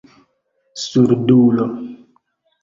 surdulo